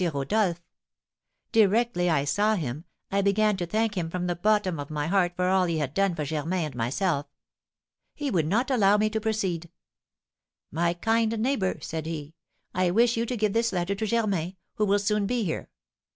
Rodolph! Directly I saw him, I began to thank him from the bottom of my heart for all he had done for Germain and myself. He would not allow me to proceed. 'My kind neighbour,' said he, 'I wish you to give this letter to Germain, who will soon be here.